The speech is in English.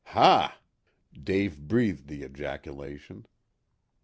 "Hah!" Dave breathed the ejaculation.